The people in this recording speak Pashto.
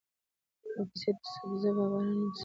ورپسې د سبزه بار په نوم سیمه راغلې